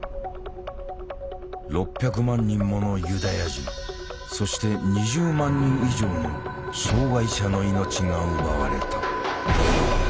６００万人ものユダヤ人そして２０万人以上の障害者の命が奪われた。